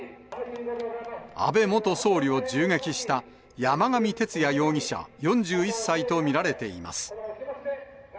安倍元総理を銃撃した、山上徹也容疑者４１歳と見られています。